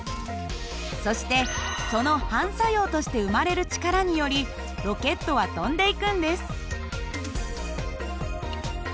そしてその反作用として生まれる力によりロケットは飛んでいくんです。